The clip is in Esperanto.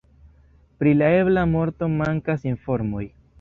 Pri la ebla morto mankas informoj.